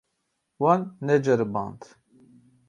Wan neceriband.